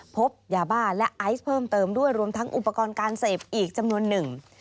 พบยาบ้าและไอซ์เพิ่มเติมด้วยรวมทั้งอุปกรณ์การเสพอีกจำนวนหนึ่ง